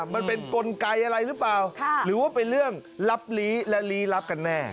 มันเป็นกลไกอะไรหรือเปล่าหรือว่าเป็นเรื่องลับลี้และลี้ลับกันแน่